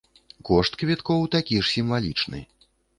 Кошт квіткоў такі ж сімвалічны.